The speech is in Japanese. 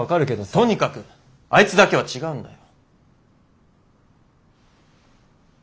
とにかくあいつだけは違うんだよ。